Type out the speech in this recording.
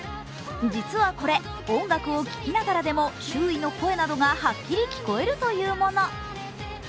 実はこれ、音楽を聴きながらでも周囲の声などがはっきり聞こえるというもの。